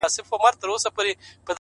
د خوبونو له گردابه يې پرواز دی”